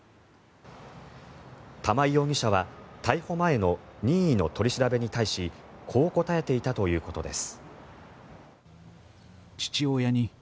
玉井容疑者は逮捕前の任意の取り調べに対しこう答えていたということです。